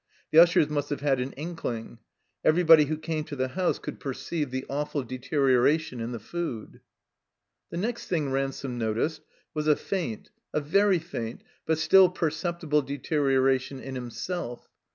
The Ushers must have had an inkling. Everybody who came to the house could perceive the awftd deterioration in the food. The next thing Ransome noticed was a faint, a very faint, but still perceptible deterioration in him self.